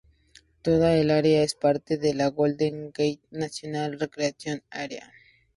Toda el área es parte de la Golden Gate National Recreation Area.